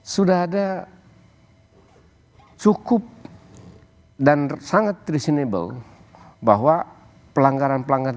sudah ada cukup dan sangat traceanable bahwa pelanggaran pelanggaran